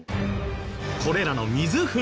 これらの水紛争